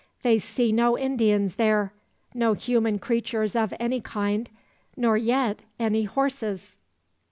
They see no Indians there no human creatures of any kind nor yet any horses!